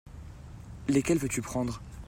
Lesquels veux-tu prendre ?